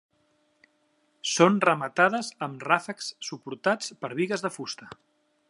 Són rematades amb ràfecs suportats per bigues de fusta.